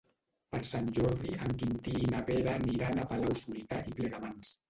Per Sant Jordi en Quintí i na Vera aniran a Palau-solità i Plegamans.